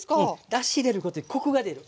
だし入れることでコクが出る。